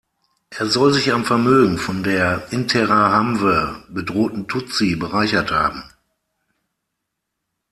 Er soll sich am Vermögen von der Interahamwe bedrohten Tutsi bereichert haben.